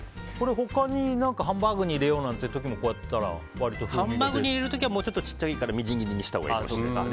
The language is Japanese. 他にハンバーグに入れようハンバーグに入れる時は小さいから、みじん切りにしたほうがいいかもですね。